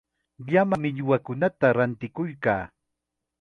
Llama millwata rantikuykaa.